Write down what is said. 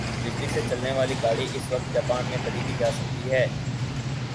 بجلی سے چلنے والی گاڑی اس وقت جاپان میں خریدی جاسکتی ھے